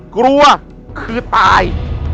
กลัวคือตาย